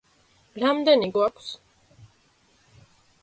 რამდენი გვაქვს?